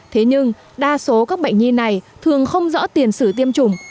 thế nhưng đa số các bệnh nhi này thường không rõ tiền sử tiêm chủng